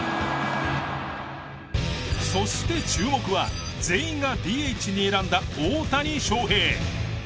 そして注目は全員がＤＨに選んだ大谷翔平。